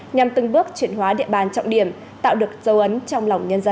nhằm từng bước chuyển hóa địa bàn trọng điểm tạo được dấu ấn trong lòng nhân dân